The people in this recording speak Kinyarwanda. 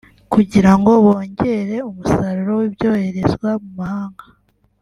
kugira ngo bongere umusaruro w’ibyoherezwa mu mahanga